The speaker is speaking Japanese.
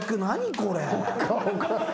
これ。